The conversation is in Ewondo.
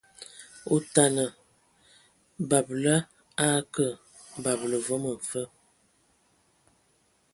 Otana, babela a a akǝ babǝla vom mfǝ.